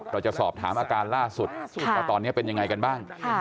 เราจะสอบถามอาการล่าสุดว่าตอนนี้เป็นยังไงกันบ้าง